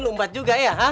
lo umbat juga ya